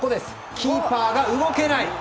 キーパーが動けない。